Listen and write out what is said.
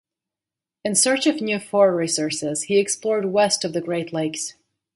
In search of new fur resources he explored west of the Great Lakes.